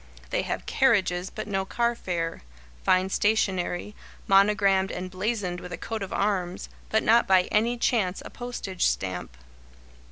They have carriages but no car fare; fine stationery, monogrammed and blazoned with a coat of arms, but not by any chance a postage stamp.